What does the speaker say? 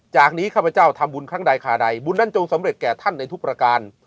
จากนี้ข้าพเจ้าทำบุญครั้งใดขาใดบุญนั้นจงสำเร็จแก่ท่านในทุกประการ